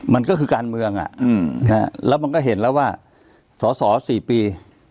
มันก็คือการเมืองอ่ะอืมนะฮะแล้วมันก็เห็นแล้วว่าสอสอสี่ปี